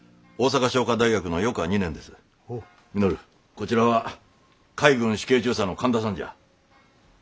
こちらは海軍主計中佐の神田さんじゃ。